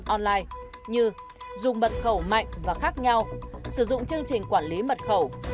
online như dùng mật khẩu mạnh và khác nhau sử dụng chương trình quản lý mật khẩu